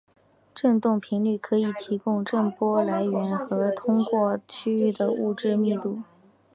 振动频率可以提供震波来源和通过区域的物质密度。